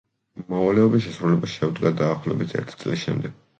მოვალეობის შესრულებას შეუდგა დაახლოებით ერთი წლის შემდეგ.